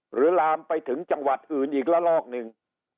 ลามไปถึงจังหวัดอื่นอีกละลอกหนึ่ง